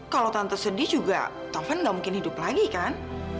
kalau tante sedih juga tovan gak mungkin hidup lagi kan